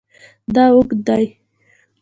دا اوږد دی